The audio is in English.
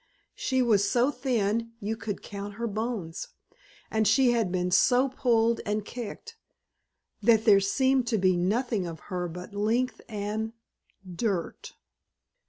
She was so thin you could count her bones, and she had been so pulled and kicked that there seemed to be nothing of her but length and dirt.